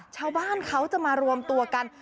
ชาวบ้านเขาจะมารวมตัวกัน